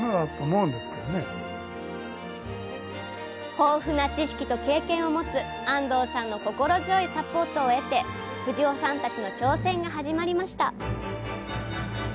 豊富な知識と経験を持つ安堂さんの心強いサポートを得て藤尾さんたちの挑戦が始まりました。